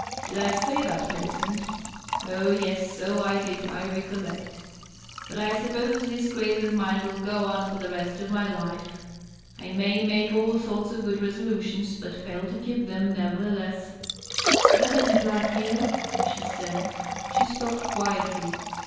Did I say that, Millicent ? Oh, yes ; so I did ; I recollect. But I suppose this craze of mine will go on for the rest of my life. I may make all sorts of good resolutions, but fail to keep them, nevertheless." "That isn't like you," she said. She spoke quietly.